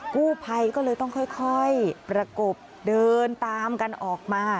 กู้ภัยก็เลยต้องค่อยประกบเดินตามกันออกมา